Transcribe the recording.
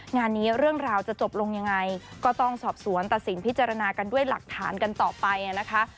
งานนี้เรื่องราวจะจบลงยังไงก็ต้องสอบสวนตัดสินพิจารณากันด้วยหลักฐานกันต่อไปนะคะ